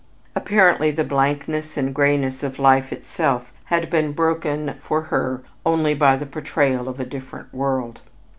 Apparently the blankness and grayness of life itself had been broken for her only by the portrayal of a different world.